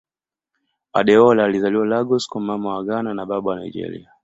Adeola alizaliwa Lagos kwa Mama wa Ghana na Baba wa Nigeria.